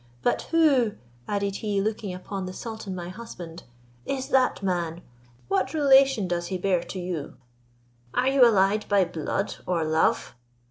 But who," added he, looking upon the sultan my husband, "is that man? What relation does he bear to you? Are you allied by blood or love?"